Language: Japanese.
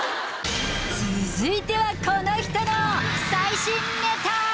続いてはこの人の最新ネタ！